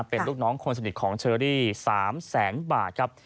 เป็นลูกน้องคนสนิทของเชอรี่๓แสนบาทครับ